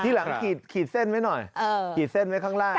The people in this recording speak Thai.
หลังขีดเส้นไว้หน่อยขีดเส้นไว้ข้างล่าง